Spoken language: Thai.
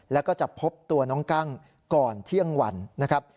แล้วก็จะพบตัวน้องกั้งก่อนเที่ยงวันนะครับ